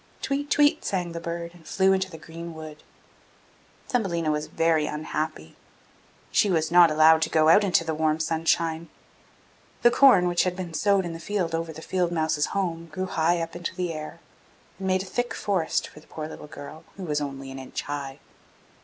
'Tweet, tweet!' sang the bird, and flew into the green wood. Thumbelina was very unhappy. She was not allowed to go out into the warm sunshine. The corn which had been sowed in the field over the field mouse's home grew up high into the air, and made a thick forest for the poor little girl, who was only an inch high.